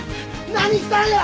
何したんや！？